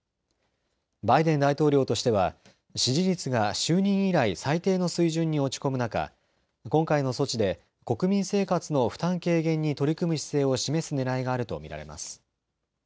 バイデン大統領としては支持率が就任以来、最低の水準に落ち込む中、今回の措置で国民生活の負担軽減に取り組む姿勢を示すねらいがあると見られます。